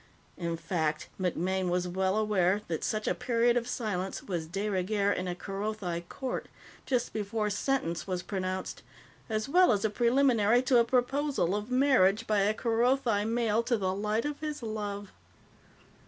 In fact, MacMaine was well aware that such a period of silence was de rigueur in a Kerothi court, just before sentence was pronounced, as well as a preliminary to a proposal of marriage by a Kerothi male to the _light of his love.